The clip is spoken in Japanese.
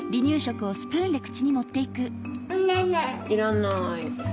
いらない。